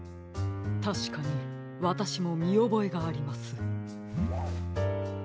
たしかにわたしもみおぼえがあります。